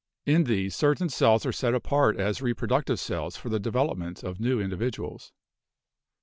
In these, certain cells are set apart as reproductive cells for the de velopment of new individuals.